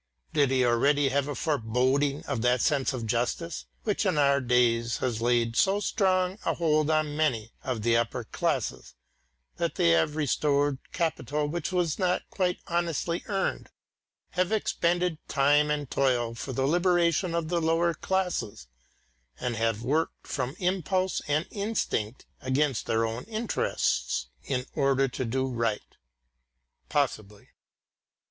Did he already have a foreboding of that sense of justice, which in our days has laid so strong a hold on many of the upper classes that they have restored capital which was not quite honestly earned, have expended time and toil for the liberation of the lower classes, and have worked from impulse and instinct against their own interests, in order to do right? Possibly.